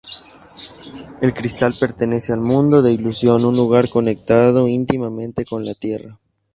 El cristal pertenece al mundo de Ilusión, un lugar conectado íntimamente con la Tierra.